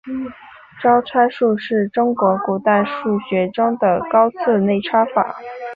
招差术是中国古代数学中的高次内插法。